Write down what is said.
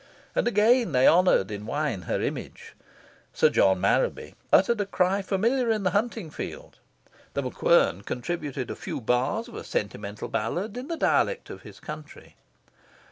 And again they honoured in wine her image. Sir John Marraby uttered a cry familiar in the hunting field. The MacQuern contributed a few bars of a sentimental ballad in the dialect of his country.